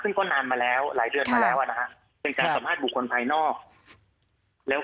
ซึ่งก็นานมาแล้วหลายเดือนมาแล้ว